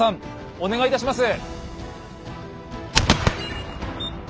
お願いいたします。